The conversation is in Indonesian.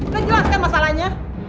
lu jelaskan masalahnya